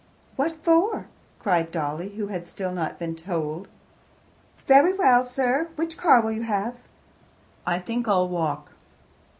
"What for?" cried Dolly, who had still not been "told." "Very well, sir. Which car will you have?" "I think I'll walk."